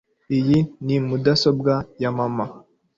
Iyi ni mudasobwa ya mama